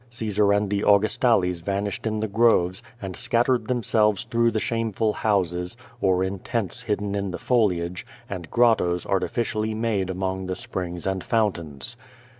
Caesar and the Angus tales vanished in the groves, and scattered themselves througli the shameful houses, or in tents hidden in the foliage, and grottoes artificially made among the springs and fountains.